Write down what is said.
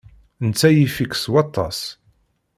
Netta yif-ik s waṭas.